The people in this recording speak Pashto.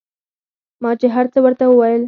ما چې هرڅه ورته وويل.